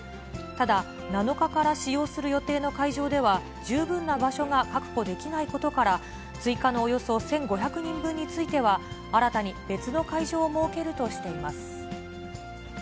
ただ、７日から使用する予定の会場では、十分な場所が確保できないことから、追加のおよそ１５００人分については、新たに別の会場を設けるとしています。